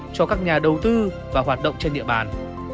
cho các nhà đầu tư và hoạt động trên địa bàn